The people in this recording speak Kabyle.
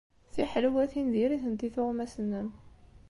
Tiḥelwatin diri-tent i tuɣmas-nnem.